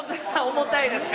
重たいですか？